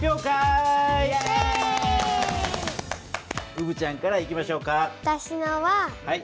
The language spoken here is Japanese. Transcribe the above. うぶちゃんからいきましょうか。